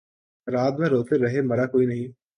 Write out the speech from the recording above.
رات بھر روتے رہے مرا کوئی نہیں